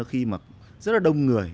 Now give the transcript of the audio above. khi mà rất là đông người